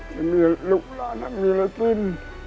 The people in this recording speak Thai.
ไม่มีลูกหลานไม่มีอะไรจิ้ม